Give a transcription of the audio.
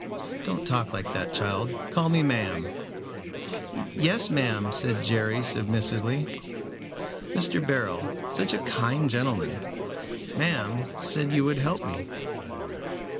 "Don't talk like that, child. Call me ma'am." "Yes, ma'am," said Jerry, submissively. "Mr. Beryl such a kind gentleman, ma'am said you would help me."